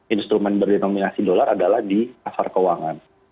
instrumen berdenominasi dolar adalah di pasar keuangan